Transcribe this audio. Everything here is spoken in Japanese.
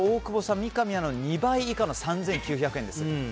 三上アナの２倍以下の３９００円です。